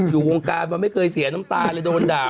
อยู่วงการมาไม่เคยเสียน้ำตาเลยโดนด่า